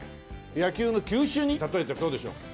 野球の球種に例えてどうでしょう？